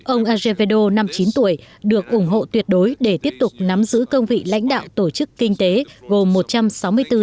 ông alzevedo năm mươi chín tuổi được ủng hộ tuyệt đối để tiếp tục nắm giữ công vị lãnh đạo tổ chức kinh tế gồm một trăm sáu mươi bốn